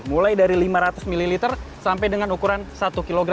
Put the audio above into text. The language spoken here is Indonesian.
mulai dari lima ratus ml sampai dengan ukuran satu kg